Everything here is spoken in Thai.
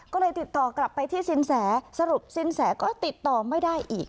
ก็เลยติดต่อกลับไปที่สินแสสรุปสินแสก็ติดต่อไม่ได้อีก